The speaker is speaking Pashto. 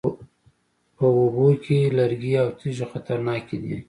په اوبو کې لرګي او تیږې خطرناکې دي